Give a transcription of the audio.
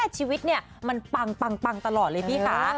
ชีวิตเนี่ยมันปังตลอดเลยพี่ค่ะ